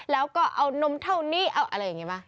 แล้วก็เอานมเท่านี้เอาอะไรอย่างนี้มา